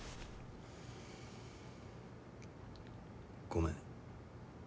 ごめん。